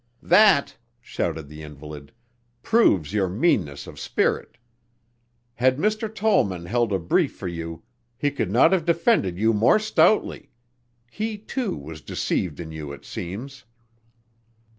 "That," shouted the invalid, "proves your meanness of spirit. Had Mr. Tollman held a brief for you he could not have defended you more stoutly. He, too, was deceived in you, it seems."